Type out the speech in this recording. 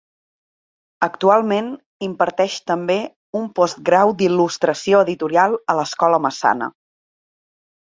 Actualment imparteix també un Postgrau d'Il·lustració Editorial a l'Escola Massana.